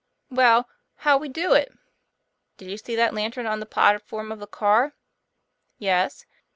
"Well, how'll we do it?" " Did you see that lantern on the platform of the car?" "Yes."